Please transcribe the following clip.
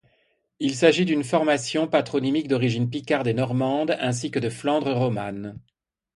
Il s'agit d'une formation patronymique d'origine picarde et normande, ainsi que de Flandre romane.